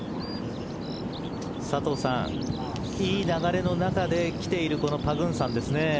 佐藤さん、いい流れの中で来ているパグンサンですね。